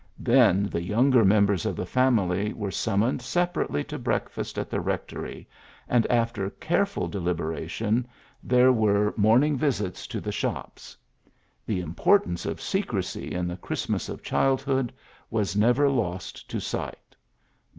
Then the younger members of the family were summoned separately to breakfast at the rectory, and after care ful deliberation there were morning 90 PHILLIPS BEOOKS visits to the shops. The importance of secrecy in the Christmas of childhood was never lost to sight.